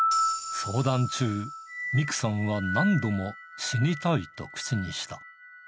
相談中、ミクさんは何度も、死にたいと口にした。